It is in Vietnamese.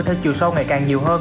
theo chiều sâu ngày càng nhiều hơn